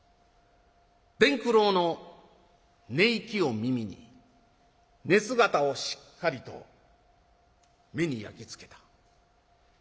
伝九郎の寝息を耳に寝姿をしっかりと目に焼き付けた。